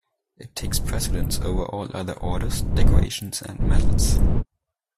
It takes precedence over all other Orders, decorations and medals.